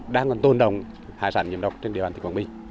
đang còn tôn đồng hải sản nhiễm độc trên địa bàn tỉnh quảng bình